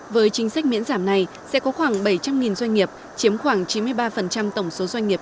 với chính sách miễn giảm này sẽ có khoảng bảy trăm linh doanh nghiệp chiếm khoảng chín mươi ba tổng số doanh nghiệp